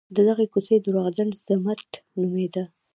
د دغې کوڅې درواغجن ضمټ نومېده.